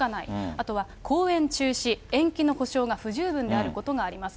あとは公演中止、延期の補償が不十分であることがあります。